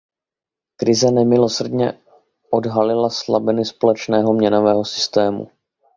Krize nemilosrdně odhalila slabiny společného měnového systému.